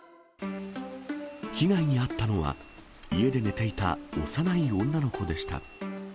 被害に遭ったのは、家で寝ていた幼い女の子でした。